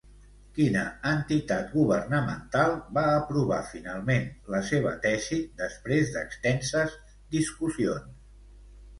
Quina entitat governamental va aprovar finalment la seva tesi després d'extenses discussions?